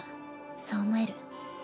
そう思える。